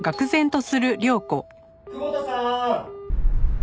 久保田さん！